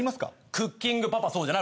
『クッキングパパ』そうじゃない？